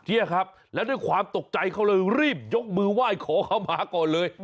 เนี่ยครับแล้วด้วยความตกใจเขาเลยรีบยกมือไหว้ขอเข้ามาก่อนเลย